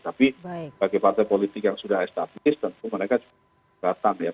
tapi bagi partai politik yang sudah high status tentu mereka juga tidak akan